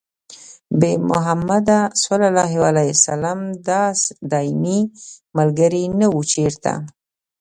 بې محمده ص دايمي ملګري نه وو چېرته